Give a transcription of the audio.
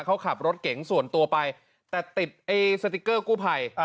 เขาขับรถเก๋งส่วนตัวไปแต่ติดไอ้สติ๊กเกอร์กู้ภัย